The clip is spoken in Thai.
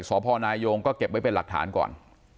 สพนายงก็เก็บไว้เป็นหลักฐานก่อน